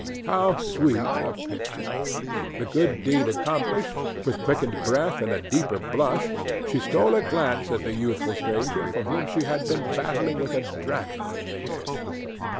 How sweet a picture! This good deed accomplished, with quickened breath and a deeper blush she stole a glance at the youthful stranger for whom she had been battling with a dragon in the air.